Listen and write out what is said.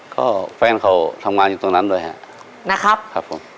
ก็แฟนเขาทำงานอยู่ตรงนั้นด้วยฮะนะครับครับผม